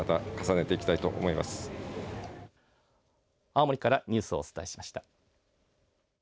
青森からニュースをお伝えしました。